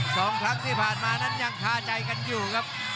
สองครั้งที่ผ่านมานั้นยังคาใจกันอยู่ครับ